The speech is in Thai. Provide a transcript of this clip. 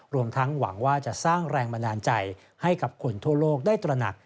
รวมทั้งหวังว่าจะสร้างแรงบันดาลใจให้กับคนทั่วโลกได้ตระหนัก